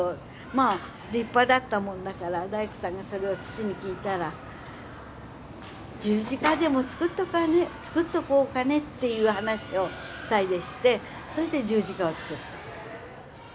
まあ立派だったもんだから大工さんがそれを父に聞いたら十字架でも作っとこうかねっていう話を２人でしてそして十字架を作った。